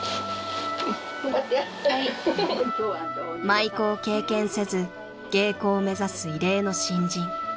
［舞妓を経験せず芸妓を目指す異例の新人］